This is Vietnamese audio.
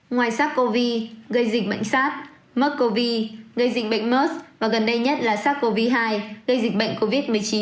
ngoài sars cov gây dịch bệnh sars mers cov gây dịch bệnh mers và gần đây nhất là sars cov hai gây dịch bệnh covid một mươi chín